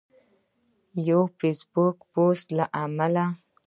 د یو فیسبوکي پوسټ له امله